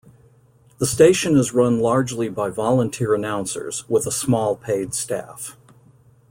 The station is run largely by volunteer announcers, with a small paid staff.